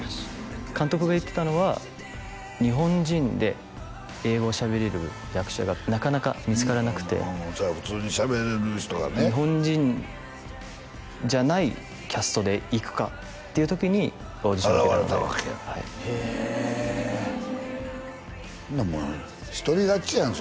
監督が言ってたのは日本人で英語をしゃべれる役者がなかなか見つからなくてそれは普通にしゃべれる人がね日本人じゃないキャストでいくかっていう時にオーディションを受けたので現れたわけやへえそんなもん一人勝ちやん